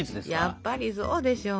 やっぱりそうでしょう！